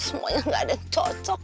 semuanya gak ada yang cocok